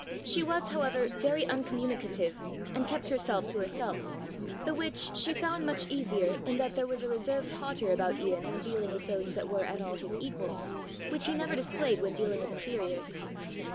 She was, however, very uncommunicative and kept herself to herself, the which she found much easier, in that there was a reserved hauteur about Ian when dealing with those that were at all his equals, which he never displayed when dealing with inferiors.